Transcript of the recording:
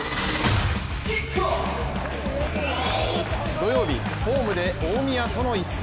土曜、ホームで大宮との一戦。